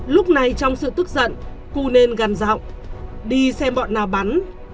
lúc này trong sự tức giận cunên gần rọng đi xem bọn nào bắn